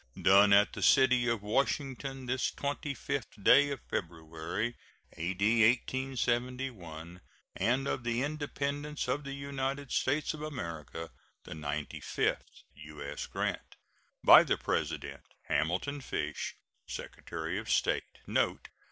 [SEAL.] Done at the city of Washington, this 25th day of February, A.D. 1871, and of the Independence of the United States of America the ninety fifth. U.S. GRANT. By the President: HAMILTON FISH, Secretary of State. [NOTE.